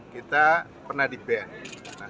kita pernah dibayar